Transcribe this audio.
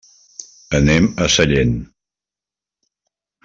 Anem a Sallent.